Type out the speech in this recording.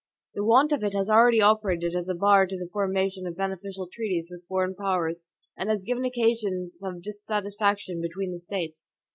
The want of it has already operated as a bar to the formation of beneficial treaties with foreign powers, and has given occasions of dissatisfaction between the States.